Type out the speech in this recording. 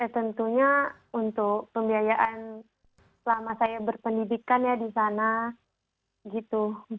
tentunya untuk pembiayaan selama saya berpendidikan ya di sana gitu